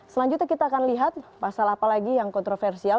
selanjutnya kita akan lihat pasal apa lagi yang kontroversial